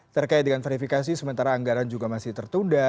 terkait dengan verifikasi sementara anggaran juga masih tertunda